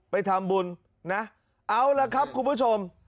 เอาล่ะครับครับคุณผู้ชม